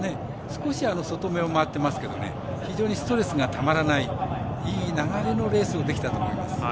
少し外めを回っていますので非常にストレスのたまらないいい流れのレースをできたと思います。